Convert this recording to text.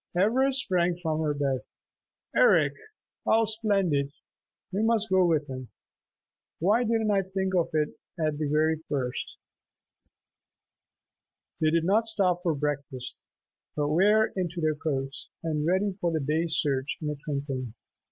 Ivra sprang from her bed. "Eric, how splendid! We must go with him! Why didn't I think of it at the very first!" They did not stop for breakfast, but were into their coats and ready for the day's search in a twinkling.